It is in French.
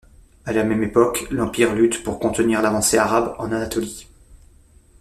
À la même époque, l'empire lutte pour contenir l'avancée arabe en Anatolie.